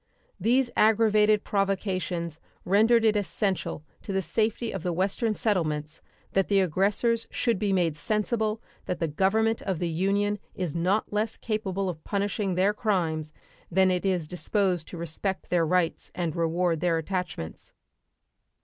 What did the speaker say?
These aggravated provocations rendered it essential to the safety of the Western settlements that the aggressors should be made sensible that the Government of the Union is not less capable of punishing their crimes than it is disposed to respect their rights and reward their attachments.